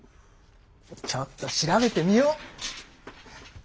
ちょっと調べてみよっ。